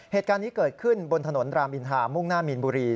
เหตุการณ์นี้เกิดขึ้นบนถนนรามอินทามุ่งหน้ามีนบุรี